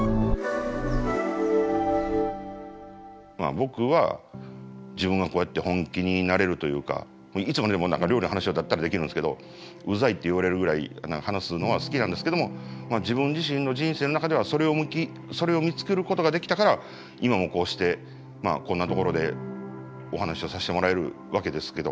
僕は自分がこうやって本気になれるというかいつまでも料理の話だったらできるんですけどうざいって言われるぐらい話すのは好きなんですけども自分自身の人生の中ではそれを見つけることができたから今もこうしてこんなところでお話をさせてもらえるわけですけど。